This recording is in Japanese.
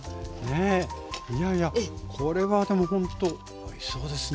いやいやこれはでもほんとおいしそうですね。